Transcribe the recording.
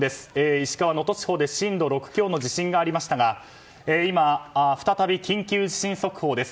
石川県能登地方で震度６強の地震がありましたが今、再び緊急地震速報です。